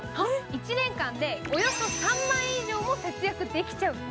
１年間でおよそ３万円以上も節約できちゃう。